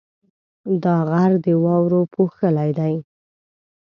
دا غر د واورو پوښلی دی.